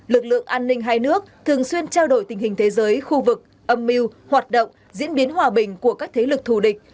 lực lượng an ninh hai nước thường xuyên trao đổi tình hình thế giới khu vực âm mưu hoạt động diễn biến hòa bình của các thế lực thù địch